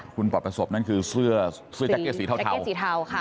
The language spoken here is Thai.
คุณปรอบประสบนั้นคือเสื้อสีแจ๊กเกษสีเทาค่ะ